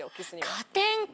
「加点か」！